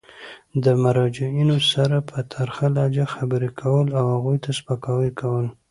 د مراجعینو سره په ترخه لهجه خبري کول او هغوی ته سپکاوی کول.